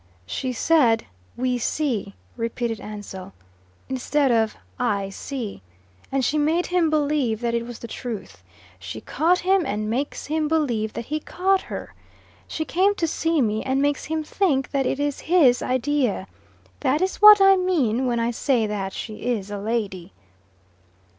"She said 'we see,'" repeated Ansell, "instead of 'I see,' and she made him believe that it was the truth. She caught him and makes him believe that he caught her. She came to see me and makes him think that it is his idea. That is what I mean when I say that she is a lady."